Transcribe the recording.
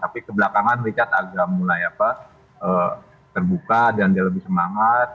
tapi kebelakangan richard agak mulai terbuka dan dia lebih semangat